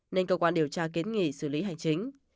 nên cơ quan điều tra kiến nghị xử lý hành chính